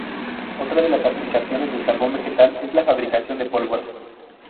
Otra de las aplicaciones del carbón vegetal es la fabricación de pólvora.